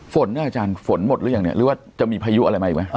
ฝนเนี่ยอาจารย์ฝนหมดหรือยังเนี่ยหรือว่าจะมีพายุอะไรมาอีกไหม